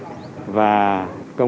trên địa bàn